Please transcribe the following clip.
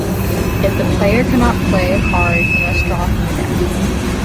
If the player cannot play a card, he must draw from the deck.